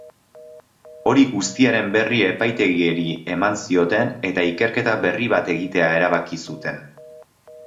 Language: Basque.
Hori guztiaren berri epaitegiari eman zioten eta ikerketa berri bat egitea erabaki zuten.